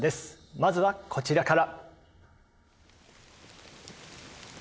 まずはこちらから。